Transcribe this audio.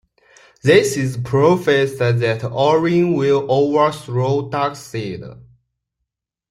It is prophesied that Orion will overthrow Darkseid.